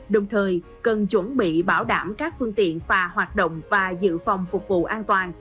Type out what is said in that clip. đồng thời cần chuẩn bị bảo đảm các phương tiện phà hoạt động và dự phòng phục vụ an toàn